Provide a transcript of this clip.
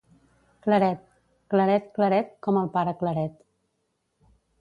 —Claret. —Claret, claret, com el pare Claret.